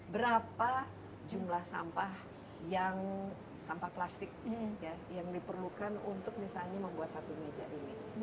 berapa jumlah sampah yang sampah plastik yang diperlukan untuk misalnya membuat satu meja ini